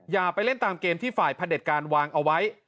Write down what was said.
อย่าไปเล่นตามเกมที่ฝ่ายพระเด็จการวางเอาไว้